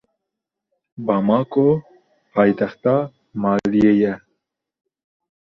Bamako paytexta Maliyê ye.